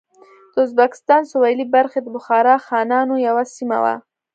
د ازبکستان سوېلې برخې د بخارا خانانو یوه سیمه وه.